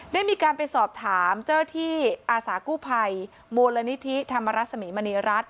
ได้มีการไปสอบถามเจ้าหน้าที่อาสากู้ภัยมูลนิธิธรรมรสมีมณีรัฐ